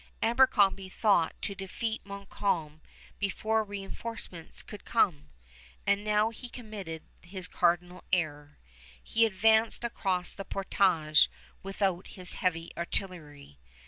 Abercrombie thought to defeat Montcalm before reënforcements could come; and now he committed his cardinal error. He advanced across the portage without his heavy artillery.